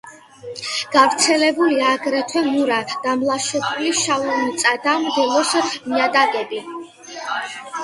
გავრცელებულია აგრეთვე მურა, დამლაშებული, შავმიწა და მდელოს ნიადაგები.